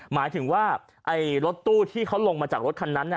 หมายถึงว่ารถตู้ที่เขาลงมาจากรถคันนั้น